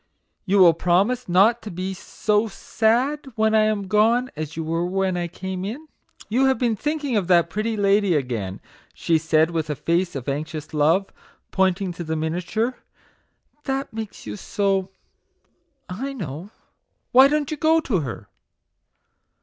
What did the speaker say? You will promise not to be so sad when I am gone as you were when I came in. You have been thinking of that pretty lady again !'' she said, with a face of anxious love pointing to the miniature "that makes you so, I know ! Why don't you go to her